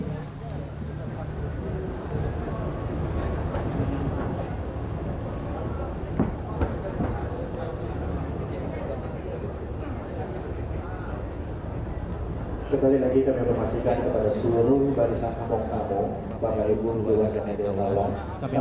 ya udah lah